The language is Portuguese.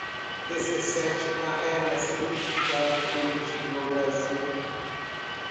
Dezessete carrega significado político no Brasil